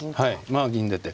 まあ銀出て。